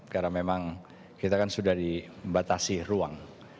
karena memang kita kan sudah dibatasi ruang